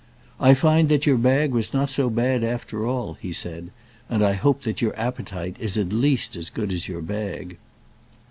"I find that your bag was not so bad after all," he said, "and I hope that your appetite is at least as good as your bag."